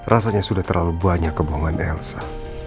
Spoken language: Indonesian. rasanya sudah terlalu banyak kebohongan elsa